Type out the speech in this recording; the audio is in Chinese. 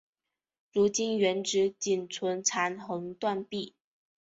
如今原址仅存残垣断壁。